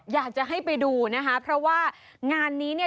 อยากจะให้ไปดูนะคะเพราะว่างานนี้เนี่ย